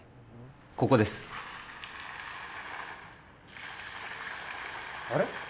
ここですあれ？